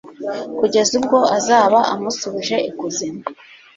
Kugeza ubwo azaba amusubije ikuzimu